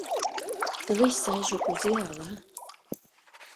— Тылеч сайже кузе, ала?..